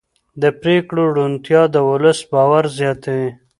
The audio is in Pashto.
د پرېکړو روڼتیا د ولس باور زیاتوي